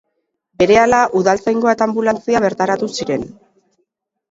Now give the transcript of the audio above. Berehala Udaltzaingoa eta anbulantzia bertaratu ziren.